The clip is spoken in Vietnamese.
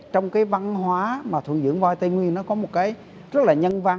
trong văn hóa thuần dưỡng voi tây nguyên có một cái rất là nhân văn